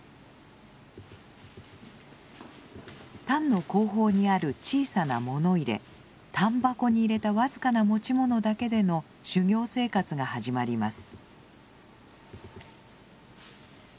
単の後方にある小さな物入れ「単箱」に入れた僅かな持ち物だけでの修行生活が始まります。